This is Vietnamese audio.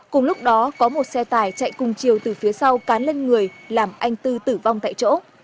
cùng lúc đó có một xe tải chạy cùng chiều từ phía sau cán lên người làm anh tư tử vong tại chỗ